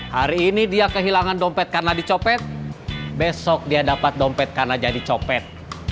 hari ini dia kehilangan dompet karena dicopet besok dia dapat dompet karena jadi copet